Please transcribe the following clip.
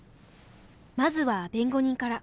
まずは弁護人から。